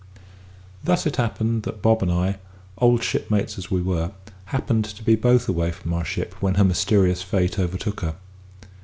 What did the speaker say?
Thus it happened that Bob and I, old shipmates as we were, happened to be both away from our ship when her mysterious fate overtook her.